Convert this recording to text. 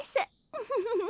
ウフフフフ。